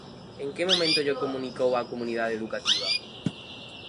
¿En que momento llo comunicou á comunidade educativa?